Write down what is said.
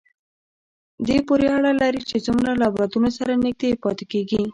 دې پورې اړه لري چې څومره له اولادونو سره نږدې پاتې کېږي.